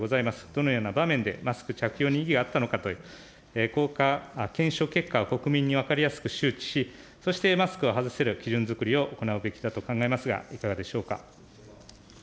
どのような場面でマスク着用に意義があったのかと、検証結果を国民に分かりやすく周知し、そしてマスクを外せる基準作りを行うべきだと考えますが、いかがでしょうか。